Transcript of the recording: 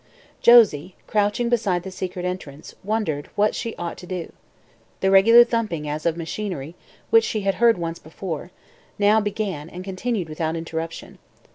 Josie, crouching beside the secret entrance, wondered what she ought to do. The regular thumping, as of machinery, which she had heard once before, now began and continued without interruption.